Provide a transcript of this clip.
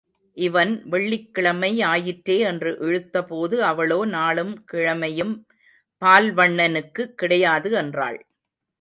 இவன், வெள்ளிக்கிழமை ஆயிற்றே என்று இழுத்தபோது, அவளோ நாளும் கிழமையும் பால்வண்ணணுக்கு கிடையாது என்றாள்.